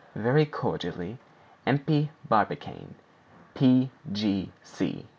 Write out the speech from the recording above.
Very cordially, IMPEY BARBICANE, P.G.